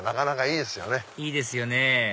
いいですよね